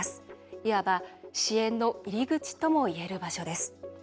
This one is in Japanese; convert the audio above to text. いわば支援の入口ともいえる場所です。